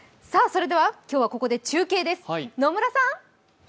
それでは、今日はここで中継です。